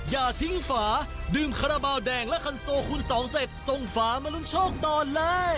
อย่าทิ้งฝาดื่มคาราบาลแดงและคันโซคูณสองเสร็จส่งฝามาลุ้นโชคต่อเลย